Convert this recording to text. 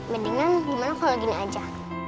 lebihnya gimana kalau gini aja